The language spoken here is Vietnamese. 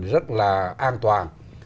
rất là an toàn